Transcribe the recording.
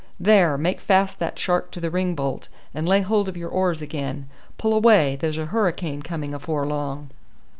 "There, make fast that shark to the ring bolt, and lay hold of your oars again. Pull away, there's a hurricane coming afore long."